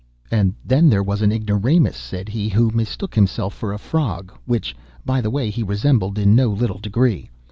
"And then there was an ignoramus," said he, "who mistook himself for a frog, which, by the way, he resembled in no little degree.